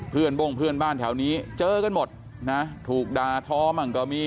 โบ้งเพื่อนบ้านแถวนี้เจอกันหมดนะถูกด่าท้อมั่งก็มี